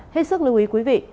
hết sức lưu ý quý vị